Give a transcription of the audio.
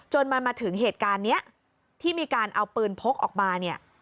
จนมันมาถึงเหตุการณ์นี้ที่มีการเอาปืนพกออกมาเนี่ย